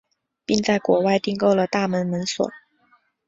并在国外订购了大门门锁。